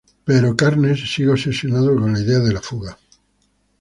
Pero Carnes sigue obsesionado con la idea de la fuga.